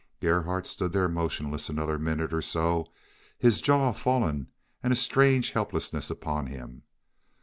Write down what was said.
Gerhardt stood there motionless another minute or so, his jaw fallen and a strange helplessness upon him.